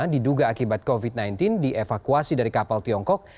diduga akibat covid sembilan belas dievakuasi dari kapal tiongkok